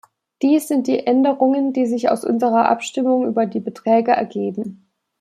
Dies sind die Änderungen, die sich aus unserer Abstimmung über die Beträge ergeben.